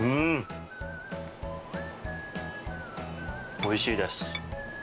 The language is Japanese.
おいしいです。